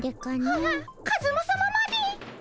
ああカズマさままで。